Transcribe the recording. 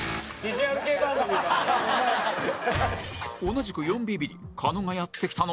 同じく４ビビリ狩野がやって来たのは